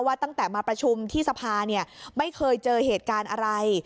ตั้งแต่มาประชุมที่สภาเนี่ยไม่เคยเจอเหตุการณ์อะไร